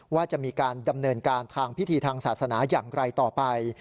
ว่าจะมีการดำเนินการทางพิธีทางศาสนาอย่างไรต่อไป